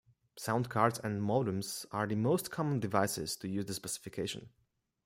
Sound cards and modems are the most common devices to use the specification.